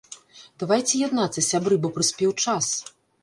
Давайце яднацца, сябры, бо прыспеў час.